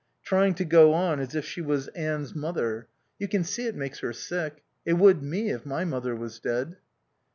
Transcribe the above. Trying to go on as if she was Anne's mother. You can see it makes her sick. It would me, if my mother was dead."